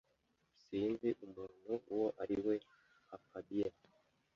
Sinzi umuntu uwo ari we. (papabear)